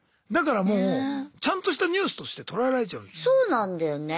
だからもうちゃんとしたニュースとして捉えられちゃうんですよ。